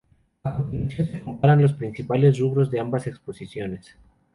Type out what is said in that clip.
A continuación se comparan los principales rubros de ambas exposiciones.